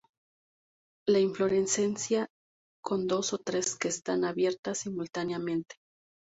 La inflorescencia con dos o tres flores que están abiertas simultáneamente.